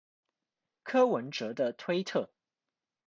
柯文哲的推特